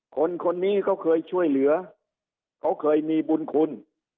คนคนนี้เขาเคยช่วยเหลือเขาเคยมีบุญคุณ